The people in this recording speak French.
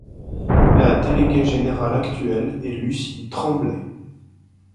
La déléguée générale actuelle est Luci Tremblay.